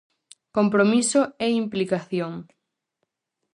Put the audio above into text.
Compromiso é implicación.